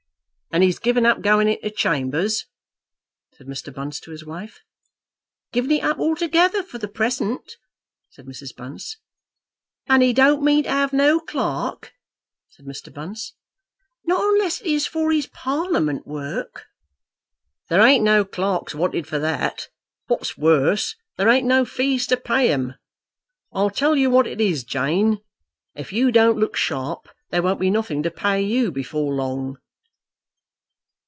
"And he's given up going into chambers?" said Mr. Bunce to his wife. "Given it up altogether for the present," said Mrs. Bunce. "And he don't mean to have no clerk?" said Mr. Bunce. "Not unless it is for his Parliament work." "There ain't no clerks wanted for that, and what's worse, there ain't no fees to pay 'em. I'll tell you what it is, Jane; if you don't look sharp there won't be nothing to pay you before long."